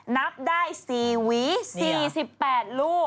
นับได้๔หวี๔๘ลูก